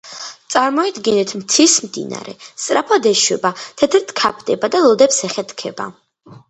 წარმოიდგინეთ, მთის მდინარე სწრაფად ეშვება, თეთრად ქაფდება და ლოდებს ეხეთქება.